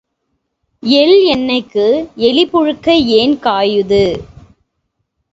எள் எண்ணெய்க்கு எலிப் புழுக்கை ஏன் காயுது?